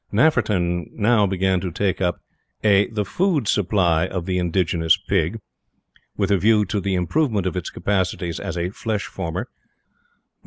Nafferton now began to take up "(a) The food supply of the indigenous Pig, with a view to the improvement of its capacities as a flesh former.